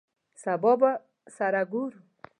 سبا به سره ګورو !